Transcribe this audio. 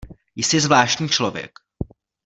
Jsi zvláštní člověk.